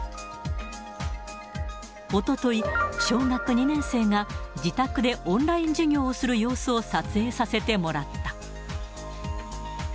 おととい、小学２年生が自宅でオンライン授業をする様子を撮影させてもらった。